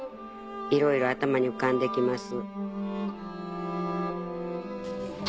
いろいろ頭に浮かんで来ます」。